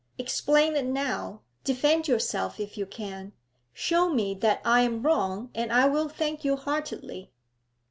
Explain it now; defend yourself, if you can. Show me that I am wrong, and I will thank you heartily.'